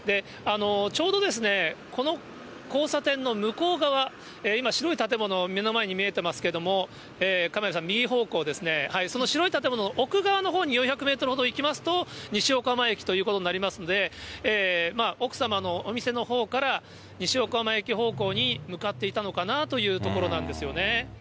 ちょうどこの交差点の向こう側、今、白い建物、目の前に見えてますけれども、カメラさん、右方向ですね、その白い建物、奥側のほうに４００メートルほど行きますと、西横浜駅ということになりますので、まあ奥様のお店のほうから、西横浜駅方向に向かっていたのかなあというところなんですよね。